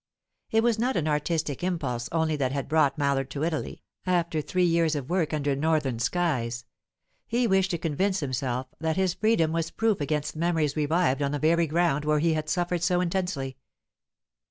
It was not an artistic impulse only that had brought Mallard to Italy, after three years of work under northern skies. He wished to convince himself that his freedom was proof against memories revived on the very ground where he had suffered so intensely.